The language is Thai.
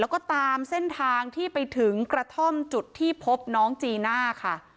แล้วก็ตามเส้นทางที่ไปถึงกระท่อมจุดที่พบน้องจีน่าค่ะ